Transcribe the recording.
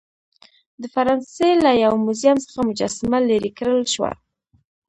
د فرانسې له یو موزیم څخه مجسمه لیرې کړل شوه.